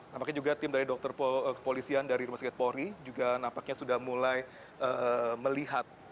nampaknya juga tim dari dokter kepolisian dari rumah sakit polri juga nampaknya sudah mulai melihat